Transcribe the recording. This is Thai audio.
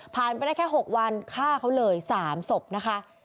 ไปได้แค่๖วันฆ่าเขาเลย๓ศพนะคะ